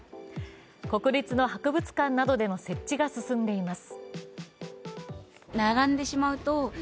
国立の博物館などでの設置が進んでています。